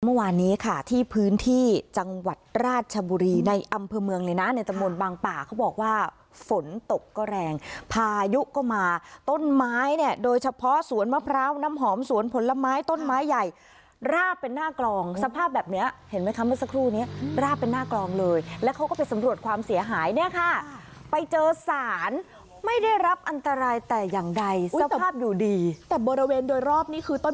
เมื่อวานนี้ค่ะที่พื้นที่จังหวัดราชบุรีในอำเภอเมืองเลยนะในตะโมนบางป่าเขาบอกว่าฝนตกก็แรงพายุก็มาต้นไม้เนี่ยโดยเฉพาะสวนมะพร้าวน้ำหอมสวนผลไม้ต้นไม้ใหญ่ราบเป็นหน้ากลองสภาพแบบเนี้ยเห็นไหมคะเมื่อสักครู่เนี้ยราบเป็นหน้ากลองเลยแล้วเขาก็ไปสำรวจความเสียหายเนี้ยค่ะไปเจอสารไม่ได้รับ